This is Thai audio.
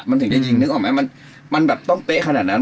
มันถึงจะยิงนึกออกไหมมันแบบต้องเป๊ะขนาดนั้น